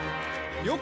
了解！